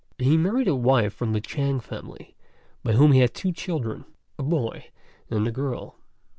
He married a wife from the Chêng family, by whom he had two children, a boy and a girl.